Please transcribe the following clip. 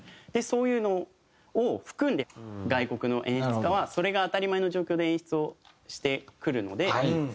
そういうのを含んで外国の演出家はそれが当たり前の状況で演出をしてくるので。